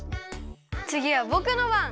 つぎはぼくのばん。